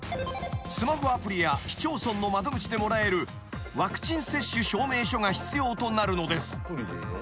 ［スマホアプリや市町村の窓口でもらえるワクチン接種証明書が必要となるのです］